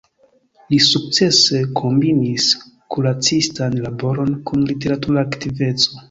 Li sukcese kombinis kuracistan laboron kun literatura aktiveco.